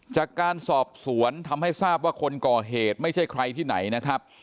จากการสอบสวนทำให้ทราบว่าคนก่อเหตุไม่ใช่ใครที่ไหนนะครับ